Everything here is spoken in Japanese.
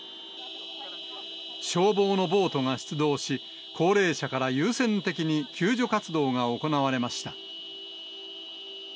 消防のボートが出動し、高齢者から優先的に救助活動が行われました。